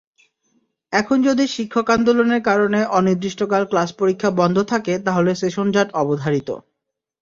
এখন যদি শিক্ষক আন্দোলনের কারণে অনির্দিষ্টকাল ক্লাস-পরীক্ষা বন্ধ থাকে, তাহলে সেশনজট অবধারিত।